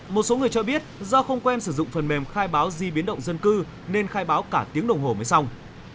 một số người cho biết do không quen sử dụng phần mềm khai báo di biến động dân cư nên khai báo cả tiếng đồng hồ mới xong